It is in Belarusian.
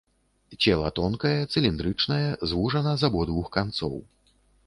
Цела тонкае, цыліндрычнае, звужана з абодвух канцоў.